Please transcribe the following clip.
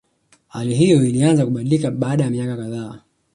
Hali hiyo ilianza kubadilika baada ya miaka kadhaa